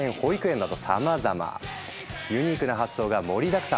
ユニークな発想が盛りだくさん。